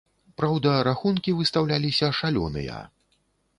Праўда, рахункі выстаўляліся шалёныя.